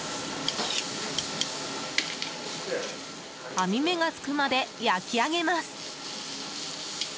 網目がつくまで焼き上げます。